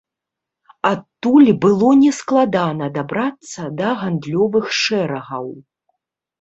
Адтуль было нескладана дабрацца да гандлёвых шэрагаў.